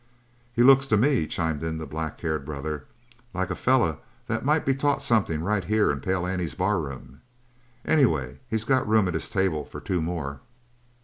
"He looks to me," chimed in the black haired brother, "like a feller that might be taught something right here in Pale Annie's barroom. Anyway, he's got room at his table for two more."